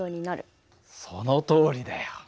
そのとおりだよ。